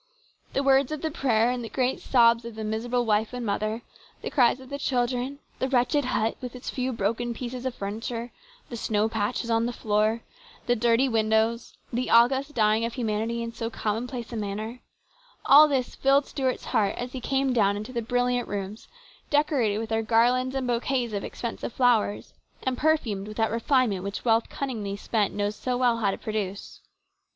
The words of the prayer and the great sobs of the miserable wife and mother, the cries of the children, the wretched hut with its few broken pieces of furniture, the snow patches on the floor, the dirty windows, the august dying of humanity in so commonplace a manner, all this filled Stuart's heart as he came down into the brilliant rooms, decorated with their garlands and bouquets of expensive flowers, and perfumed with that refinement which wealth cunningly spent knows so well how to produce.